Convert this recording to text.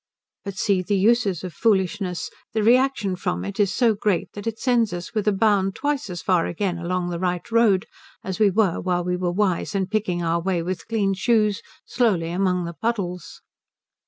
But see the uses of foolishness, the reaction from it is so great that it sends us with a bound twice as far again along the right road as we were while we were wise and picking our way with clean shoes slowly among the puddles.